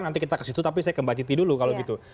nanti kita ke situ tapi saya ke mbak citi dulu kalau gitu